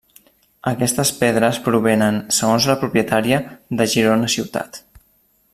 Aquestes pedres provenen, segons la propietària, de Girona ciutat.